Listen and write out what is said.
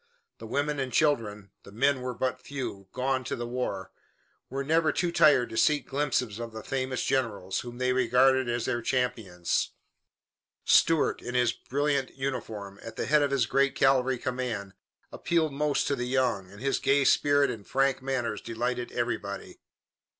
The women and children the men were but few, gone to the war were never too tired to seek glimpses of the famous generals, whom they regarded as their champions. Stuart, in his brilliant uniform, at the head of his great cavalry command, appealed most to the young, and his gay spirit and frank manners delighted everybody.